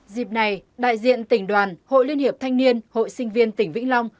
dịp này đại diện tỉnh đoàn hội liên hiệp thanh niên hội sinh viên tỉnh vĩnh long